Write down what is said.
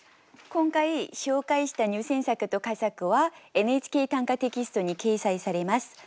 今回紹介した入選作と佳作は「ＮＨＫ短歌」テキストに掲載されます。